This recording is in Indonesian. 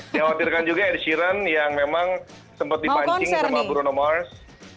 dikhawatirkan juga ed sheeran yang memang sempat dipancing sama bruno mars